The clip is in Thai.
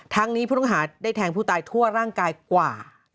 นี้ผู้ต้องหาได้แทงผู้ตายทั่วร่างกายกว่า